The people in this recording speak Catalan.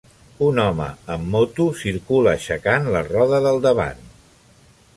un home amb moto circula aixecant la roda del davant.